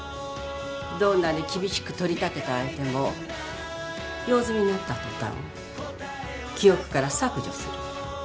どんなに厳しく取り立てた相手も用済みになった途端記憶から削除する。